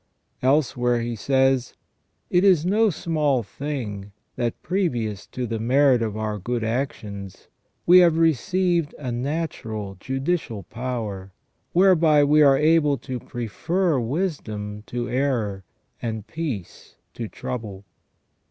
* Elsewhere he says :" It is no small thing that, previous to the merit of our good actions, we have received a natural judicial power, whereby we are able to prefer wisdom to error, and peace to trouble